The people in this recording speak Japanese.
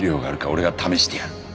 俺が試してやる